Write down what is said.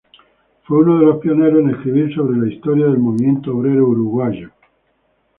Fue uno de los pioneros en escribir sobre la historia del movimiento obrero uruguayo.